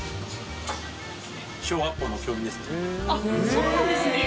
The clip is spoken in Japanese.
そうなんですね！